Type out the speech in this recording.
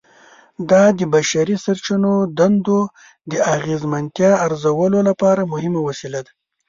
دا د بشري سرچینو دندو د اغیزمنتیا ارزولو لپاره مهمه وسیله ده.